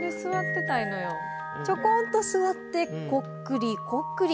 ちょこんと座って、こっくりこっくり。